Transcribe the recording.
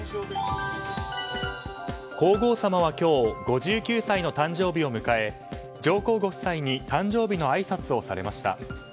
皇后さまは今日５９歳の誕生日を迎え上皇ご夫妻に誕生日のあいさつをされました。